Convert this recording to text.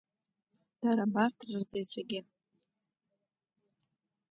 Дара абарҭ рырҵаҩцәагьы…